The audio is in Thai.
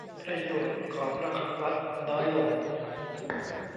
ประโยชน์ของระฆังวัดน้อยลง